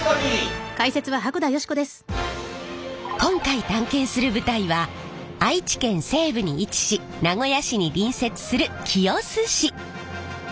今回探検する舞台は愛知県西部に位置し名古屋市に隣接する清須市。